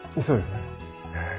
そうですね。へ。